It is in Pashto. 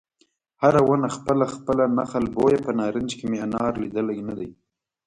هره ونه خپله خپله نخل بویه په نارنج کې مې انار لیدلی نه دی